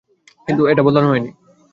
কিন্তু এটা বদলানো হয়নি।